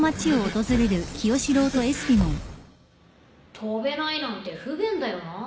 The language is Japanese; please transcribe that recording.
飛べないなんて不便だよな。